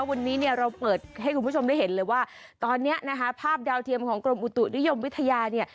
วันนี้เนี่ยเราเปิดให้คุณผู้ชมได้เห็นเลยว่าตอนนี้นะคะภาพดาวเทียมของกรมอุตุนิยมวิทยาเนี่ย